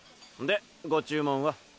でご注文は？